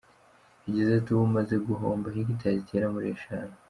Yagize ati«Ubu maze guhomba hegitari zigera muri eshanu .